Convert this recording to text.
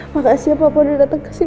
makasih ya papa udah datang ke sini